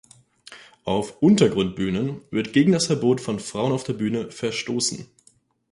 Auf „Untergrund“-Bühnen wird gegen das Verbot von Frauen auf der Bühne verstoßen.